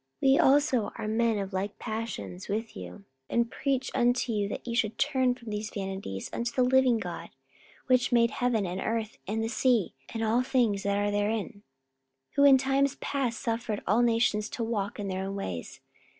We also are men of like passions with you, and preach unto you that ye should turn from these vanities unto the living God, which made heaven, and earth, and the sea, and all things that are therein: 44:014:016 Who in times past suffered all nations to walk in their own ways.